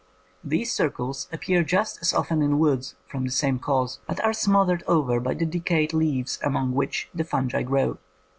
These circles appear just as often in woods from the same cause, but are smothered over by the decayed leaves among which the fungi grow.